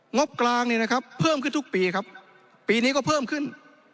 งบกลางเนี่ยนะครับเพิ่มขึ้นทุกปีครับปีนี้ก็เพิ่มขึ้น